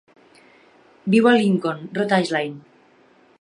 Viu a Lincoln, Rhode Island.